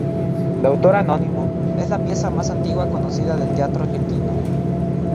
De autor anónimo, es la pieza más antigua conocida del teatro argentino.